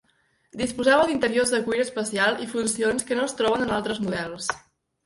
Disposava d'interiors de cuir especial i funcions que no es troben en altres models.